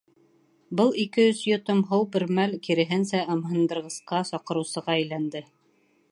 Был ике-өс йотом һыу бер мәл, киреһенсә, ымһындырғысҡа, саҡырыусыға әйләнде.